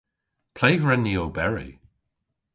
Ple hwren ni oberi?